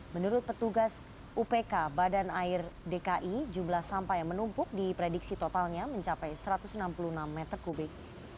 menurut petugas upk badan air dki jumlah sampah yang menumpuk diprediksi totalnya mencapai satu ratus enam puluh enam meter kubik